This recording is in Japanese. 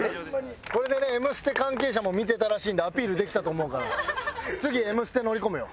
これでね『Ｍステ』関係者も見てたらしいんでアピールできたと思うから次『Ｍステ』乗り込むよ！